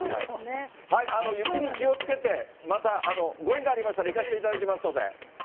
雪に気をつけて、またご縁がありましたら行かせていただきますので。